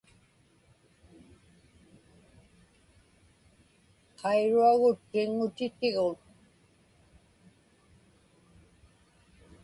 Qairuagut tiŋŋutitigun.